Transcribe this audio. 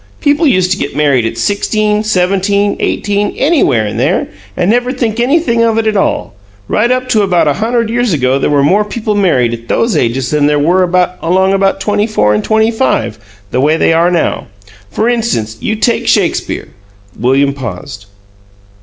People used to get married at sixteen, seventeen, eighteen anywhere in there and never think anything of it at all. Right up to about a hunderd years ago there were more people married at those ages than there were along about twenty four and twenty five, the way they are now. For instance, you take Shakespeare " William paused.